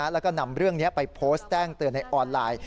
แล้วก็นำเรื่องนี้ไปโพสต์แจ้งเตือนในออนไลน์